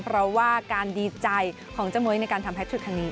เพราะว่าการดีใจของเจ้ามุ้ยในการทำแท็กทริกครั้งนี้